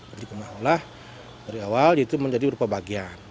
jadi kita olah dari awal itu menjadi berupa bagian